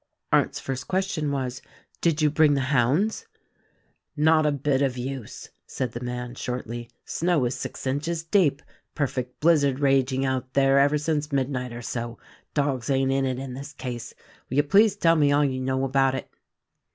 Arndt's first question was, "Did you bring the hounds?" "Not a bit of use," said the man shortly. "Snow is six inches deep. Perfect blizzard raging out there ever since midnight or so. Dogs ain't in it in this case. Will you please tell me all you know about it?"